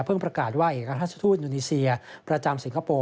ประกาศว่าเอกราชทูตอินูนีเซียประจำสิงคโปร์